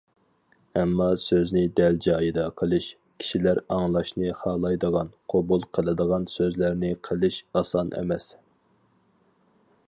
ئەمما سۆزنى دەل جايىدا قىلىش، كىشىلەر ئاڭلاشنى خالايدىغان، قوبۇل قىلىدىغان سۆزلەرنى قىلىش ئاسان ئەمەس.